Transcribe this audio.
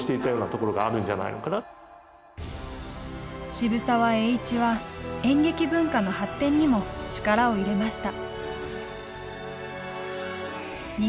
渋沢栄一は演劇文化の発展にも力を入れました。